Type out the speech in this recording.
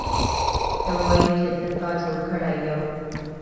ته وایې چې زه تا جوړ کړی یم